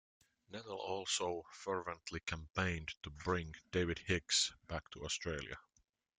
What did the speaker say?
Nettle also fervently campaigned to bring David Hicks back to Australia.